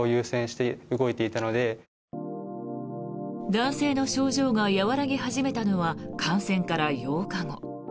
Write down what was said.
男性の症状が和らぎ始めたのは感染から８日後。